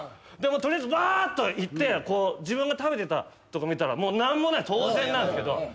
取りあえずバーッと行って自分が食べてたとこ見たらもう何もない当然なんすけど。